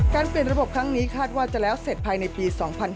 เปลี่ยนระบบครั้งนี้คาดว่าจะแล้วเสร็จภายในปี๒๕๕๙